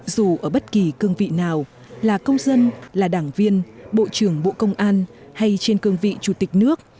dù ở bất kỳ cương vị nào là công dân là đảng viên bộ trưởng bộ công an hay trên cương vị chủ tịch nước